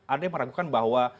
ada yang meragukan bahwa